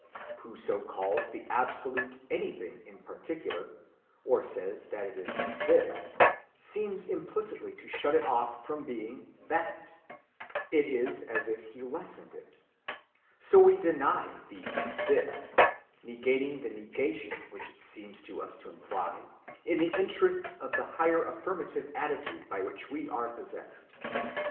Whoso calls the Absolute anything in particular, or says that it is this, seems implicitly to shut it off from being that—it is as if he lessened it. So we deny the "this," negating the negation which it seems to us to imply, in the interests of the higher affirmative attitude by which we are possessed.